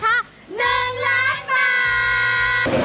ก็ขอมอบทองคำมูลค่า๑ล้านบาท